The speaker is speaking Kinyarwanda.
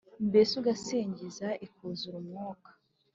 mbese ugasingiza ukiuzura umwuka